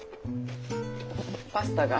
パスタが。